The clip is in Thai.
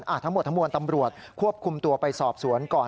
ทั้งหมดทั้งมวลตำรวจควบคุมตัวไปสอบสวนก่อน